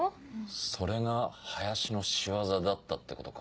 それが林の仕業だったってことか。